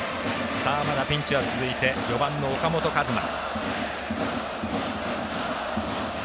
まだピンチは続いて４番の岡本和真。